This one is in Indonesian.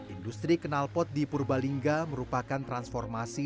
industri kenalpot di purbalingga merupakan transformasi